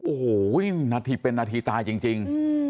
โอ้โหนาทีเป็นนาทีตายจริง